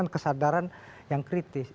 kesadaran yang kritis